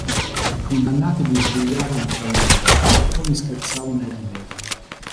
I condannati bisbigliavano fra loro, alcuni scherzavano e ridevano.